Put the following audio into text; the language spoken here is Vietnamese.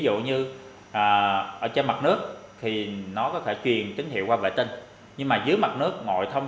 dụ như ở trên mặt nước thì nó có thể truyền tín hiệu qua vệ tinh nhưng mà dưới mặt nước mọi thông